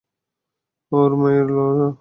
ওর মায়ের লারা!